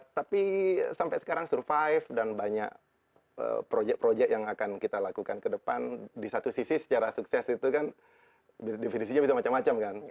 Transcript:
tapi sampai sekarang survive dan banyak proyek proyek yang akan kita lakukan ke depan di satu sisi secara sukses itu kan definisinya bisa macam macam kan